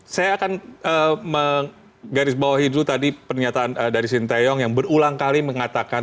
saya akan menggarisbawahi dulu tadi pernyataan dari sinteyong yang berulang kali mengatakan